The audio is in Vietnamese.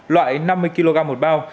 loại năm mươi kg một bao